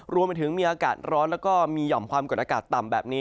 รวมไปถึงมีอากาศร้อนแล้วก็มีหย่อมความกดอากาศต่ำแบบนี้